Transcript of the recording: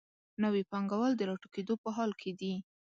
نوي پانګوال د راټوکېدو په حال کې دي.